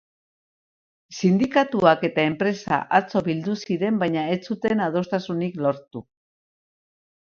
Sindikatuak eta enpresa atzo bildu ziren baina ez zuten adostasunik lortu.